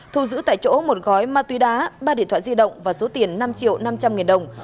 thu giữ tại chỗ một gói ma túy đá ba điện thoại di động và số tiền năm triệu năm trăm linh nghìn đồng